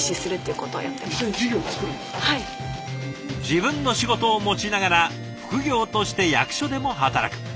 自分の仕事を持ちながら副業として役所でも働く。